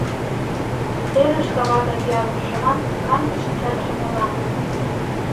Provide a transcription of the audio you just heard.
Сӧрыш кава гай пиалым шыман Канде шинчатше мылам.